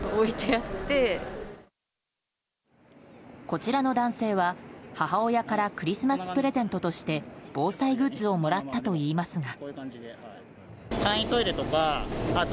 こちらの男性は、母親からクリスマスプレゼントとして防災グッズをもらったといいますが。